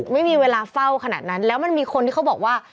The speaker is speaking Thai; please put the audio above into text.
ไม่มีเวลาเฝ้าขนาดนั้นแล้วมันมีคนที่เขาบอกว่า